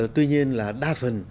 tuy nhiên là đa phần